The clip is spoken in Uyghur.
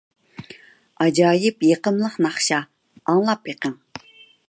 ئاجايىپ يېقىملىق ناخشا، ئاڭلاپ بېقىڭ!